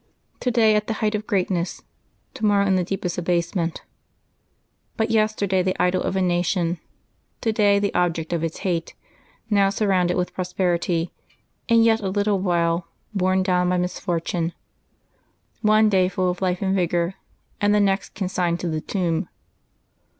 To day at the height of greatness, to morrow in the deepest abasement; but yester day the idol of a nation, to day the object of its hate ; now surrounded with prosperity, and, yet a little while, borne down by misfortune; one day full of life and vigor, and the next consigned to the tomb.